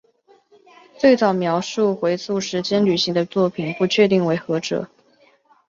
最早描绘回溯时间旅行的作品不确定为何者。